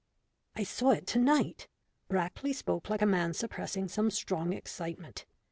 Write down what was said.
"I saw it to night." Brackley spoke like a man suppressing some strong excitement.